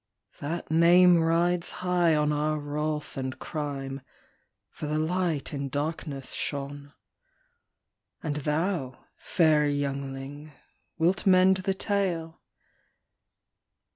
" That name rides high on our wrath and crime, For the Light in darkness shone. " And thou, fair youngling, wilt mend the tale?